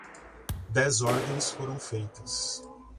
Dez ordens foram feitas.